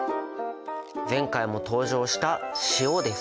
前回も登場した塩です。